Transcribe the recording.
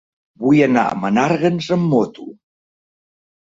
Vull anar a Menàrguens amb moto.